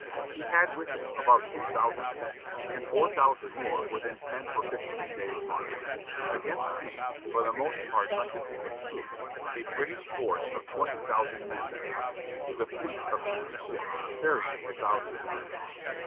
He had with him about two thousand troops, and four thousand more within ten or fifteen days' march. Against these, for the most part undisciplined troops, a British force of twenty thousand men was coming, with a fleet of fifty ships, carrying a thousand guns.